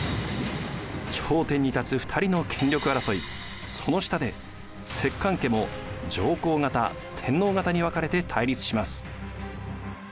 頂点に立つ２人の権力争いその下で摂関家も上皇方天皇方に分かれて対立します。